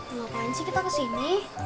ngapain sih kita kesini